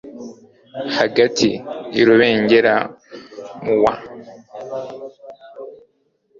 hagati i Rubengera mu wa